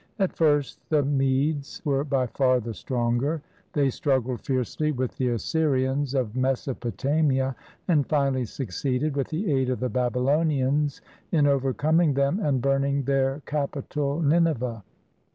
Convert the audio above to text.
At first the Medes were by far the stronger. They struggled fiercely with the Assyrians of Mesopotamia, and finally succeeded, with the aid of the Babylonians, in overcoming them and burning their capital, Nineveh.